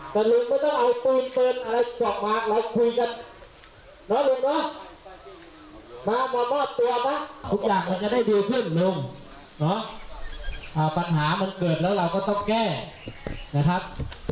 ทุกอย่างมันจะได้ดีขึ้นลุงปัญหามันเกิดแล้วเราก็ต้องแก้นะครับ